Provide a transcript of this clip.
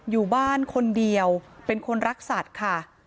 อยู่บ้านคนเดียวเป็นคนรักสัตว์ค่ะ